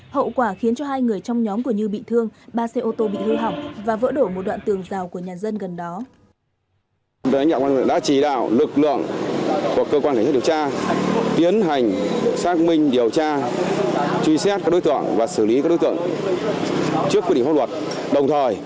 hậu quả khiến hai người trong nhóm của như bị thương ba xe ô tô bị hư hỏng và vỡ đổ một đoạn tường rào của nhà dân gần đó